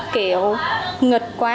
kiểu nghịch quá